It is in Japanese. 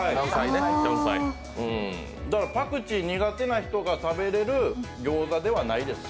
だからパクチー苦手な人が食べれるギョーザではないです。